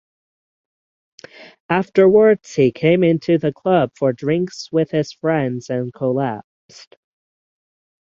Afterwards he came into the club for drinks with friends and collapsed.